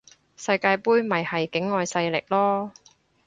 世界盃咪係境外勢力囉